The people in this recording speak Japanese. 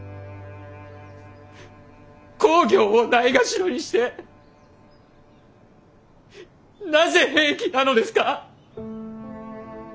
公暁をないがしろにしてなぜ平気なのですか。